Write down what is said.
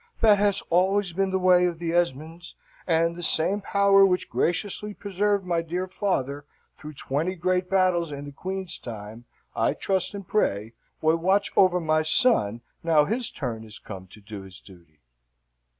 That has always been the way of the Esmonds, and the same Power which graciously preserved my dear father through twenty great battles in the Queen's time, I trust and pray, will watch over my son now his turn is come to do his duty."